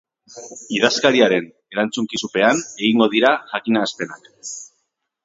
Idazkariaren erantzukizunpean egingo dira jakinarazpenak.